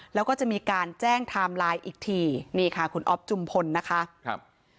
แล้วก็จะมีการแจ้งไทม์ไลน์อีกทีนี่ค่ะคุณอ๊อฟจุมพลนะคะครับ